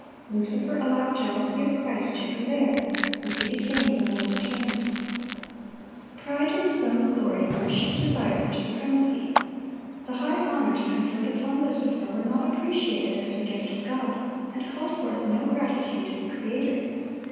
Lucifer allowed jealousy of Christ to prevail, and he became the more determined. Pride in his own glory nourished the desire for supremacy. The high honors conferred upon Lucifer were not appreciated as the gift of God, and called forth no gratitude to the Creator.